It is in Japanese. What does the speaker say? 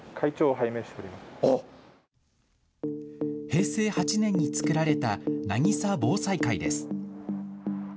平成８年に作られたなぎさ防災会です。